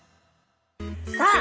さあ